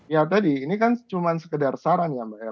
ya tadi ini kan cuman sekedar saran ya mbak